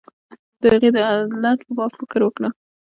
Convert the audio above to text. د هغې د علت په باب فکر وکړه.